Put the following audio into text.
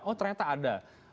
oh ternyata ada